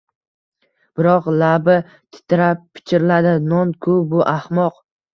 Biroq labi titrab pichirladi: — Non-ku, bu, ahmoq!